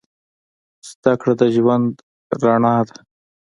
زدهکړه د ژوند رڼا ده